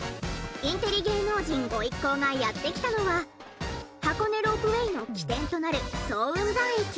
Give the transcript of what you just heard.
インテリ芸能人ご一行がやって来たのは箱根ロープウェイの起点となる早雲山駅。